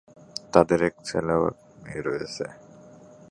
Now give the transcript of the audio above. তাদের এক ছেলে ও এক মেয়ে রয়েছে।